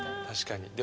確かに。